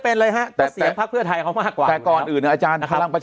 เป็นเลยฮะก็เสียพักเพื่อไทยเขามากกว่าก่อนอื่นอาจารย์พลัง